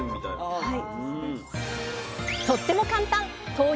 はい。